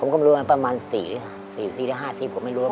ผมหรือมันประมาณ๔๕ปีซีสีผมไม่รู้